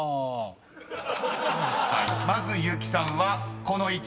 ［まず結木さんはこの位置。